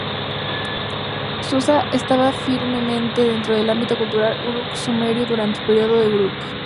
Susa estaba firmemente dentro del ámbito cultural Uruk-Sumerio durante el período de Uruk.